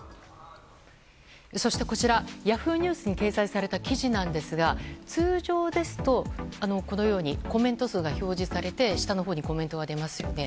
そしてこちらＹａｈｏｏ！ニュースに掲載された記事ですが通常ですとコメント数が表示されて下のほうにコメントが出ますよね。